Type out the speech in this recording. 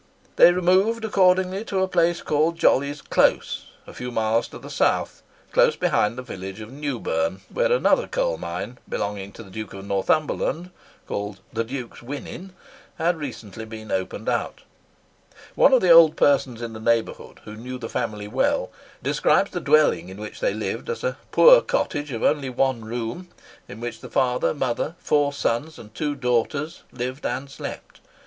They removed accordingly to a place called Jolly's Close, a few miles to the south, close behind the village of Newburn, where another coal mine belonging to the Duke of Northumberland, called "the Duke's Winnin," had recently been opened out. [Picture: Newburn on the Tyne] One of the old persons in the neighbourhood, who knew the family well, describes the dwelling in which they lived as a poor cottage of only one room, in which the father, mother, four sons, and two daughters, lived and slept.